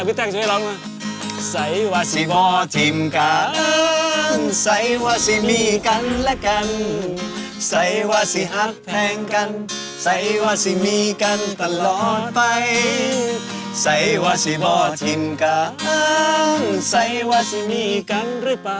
เพลงซักอย่าง